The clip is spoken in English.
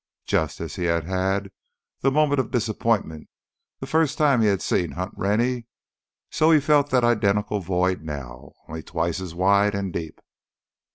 Just as he had had that moment of disappointment the first time he had seen Hunt Rennie, so he felt that identical void now, only twice as wide and deep.